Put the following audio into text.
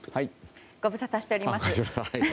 ご無沙汰しております。